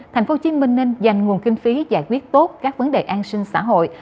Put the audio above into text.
thành phố hồ chí minh nên dành nguồn kinh phí giải quyết tốt các vấn đề an sinh xã hội